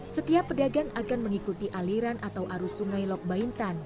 setiap pedagang akan mengikuti aliran atau arus sungai lok baintan